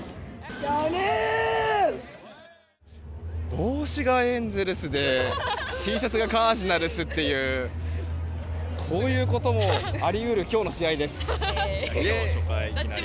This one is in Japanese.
帽子がエンゼルスでＴシャツがカージナルスというこういうこともあり得る今日の試合です。